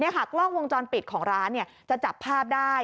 กล้องวงจรปิดของร้านจะจับภาพได้